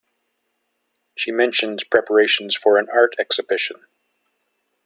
She mentions preparations for an art exhibition.